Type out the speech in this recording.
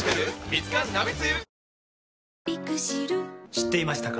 知っていましたか？